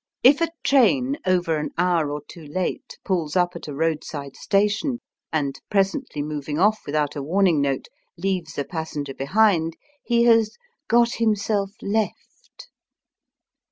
If a train over an hour or two late pulls up at a roadside station and, presently moying off without a warning note, leaves a passenger behind, he has " got himself left."